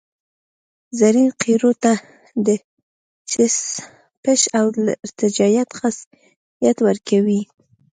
رزین قیرو ته د چسپش او ارتجاعیت خاصیت ورکوي